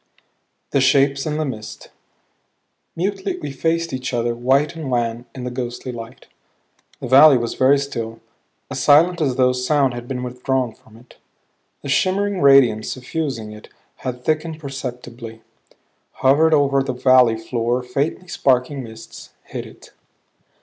THE SHAPES IN THE MIST Mutely we faced each other, white and wan in the ghostly light. The valley was very still; as silent as though sound had been withdrawn from it. The shimmering radiance suffusing it had thickened perceptibly; hovered over the valley floor faintly sparkling mists; hid it.